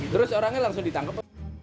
terus orangnya langsung ditangkap